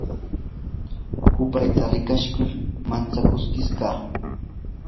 hupayta rikaykush mantsakurqa.